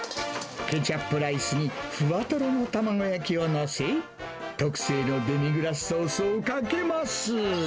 ケチャップライスにふわとろの卵焼きを載せ、特製のデミグラスソースをかけます。